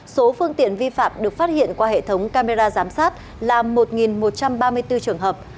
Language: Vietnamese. số phương tiện vi phạm được phát hiện qua hệ thống camera giám sát là một một trăm ba mươi bốn trường hợp